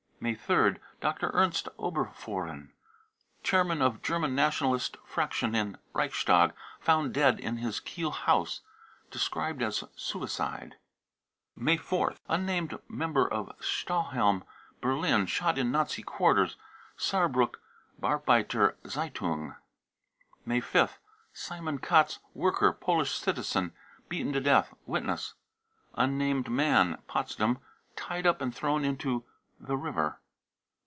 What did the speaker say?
May 3rd. dr. ernst oberfohren, chairman of German Nationalist fraction in Reichstag, found dead in his Kiel house. Described as suicide. (See report.) May 4th. unnamed member of stahlhelm, Berlin, shot in Nazi quarters. (Saarbruck Arbeiter ^ritawg.) May 5th. simon katz, worker, Polish citizen, beaten to death. (Witness.) unnamed man, Potsdam, tied up and thrown into the river.